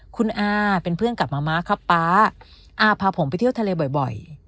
คุณอาเป็นเพื่อนกับมะม้าครับป๊าอาพาผมไปเที่ยวทะเลบ่อย